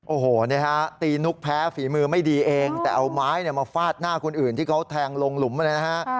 โอ้โหนี่ฮะตีนุกแพ้ฝีมือไม่ดีเองแต่เอาไม้มาฟาดหน้าคนอื่นที่เขาแทงลงหลุมเลยนะฮะ